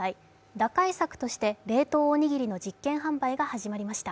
打開策として冷凍おにぎりの実験販売が始まりました。